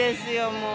もう。